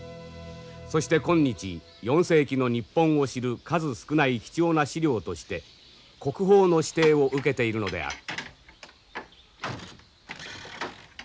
そして今日４世紀の日本を知る数少ない貴重な史料として国宝の指定を受けているのである。